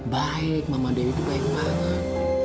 baik mama dewi itu baik banget